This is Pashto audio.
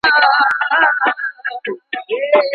د ډیپلوماسۍ له لاري د وګړو په ازادۍ کي هیڅ ډول بدلون نه راځي.